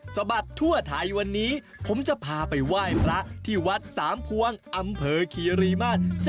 สวัสดีทั่วไทยวันนี้ผมจะพาไปว่ายพระที่วัดสามพวงอำเภอเครียรีม่านจังหวัดศุโคนไทยกันครับ